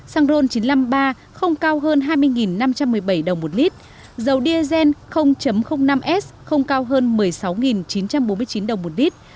xăng ron chín trăm năm mươi ba không cao hơn hai mươi năm trăm một mươi bảy đồng một lít dầu diesel năm s không cao hơn một mươi sáu chín trăm bốn mươi chín đồng một lít